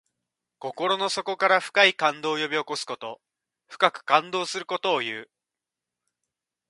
心の底から深い感動を呼び起こすこと。深く感動することをいう。